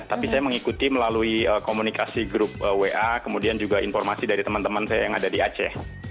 tapi saya mengikuti melalui komunikasi grup wa kemudian juga informasi dari teman teman saya yang ada di aceh